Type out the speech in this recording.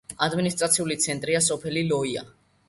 ადმინისტრაციული ცენტრია სოფელი ლოია.